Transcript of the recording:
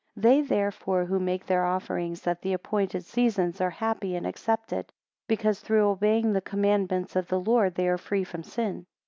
16 They therefore who make their offerings at the appointed seasons, are happy and accepted; because through obeying the commandments of the Lord, they are free from sin.